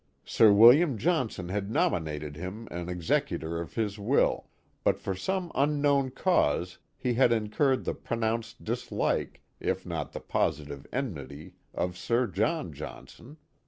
Sir William Johnson had nominated him an executor of his will; but from some unknown cause he had incurred the pronounced dis like, if not the positive enmity of Sir John Johnson.